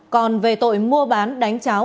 còn về tội mua bán đánh cháo